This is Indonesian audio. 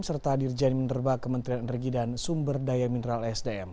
serta dirjen minerba kementerian energi dan sumber daya mineral sdm